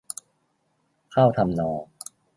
เข้าทำนอง